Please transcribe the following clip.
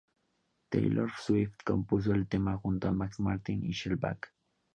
Taylor Swift compuso el tema junto a Max Martin y Shellback.